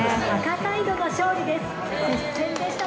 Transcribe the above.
赤サイドの勝利です。